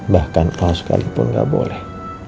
bahkan al sekalipun gak boleh